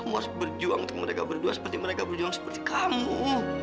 harus berjuang untuk mereka berdua seperti mereka berjuang seperti kamu